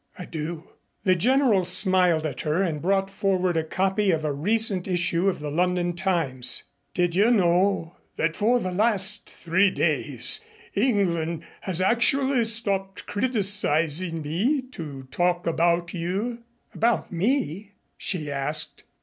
"I do." The General smiled at her and brought forward a copy of a recent issue of the London Times. "Did you know that for the past three days England has actually stopped criticizing me to talk about you?" "About me?" she asked.